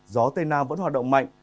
gió tây nam vẫn hoạt động mạnh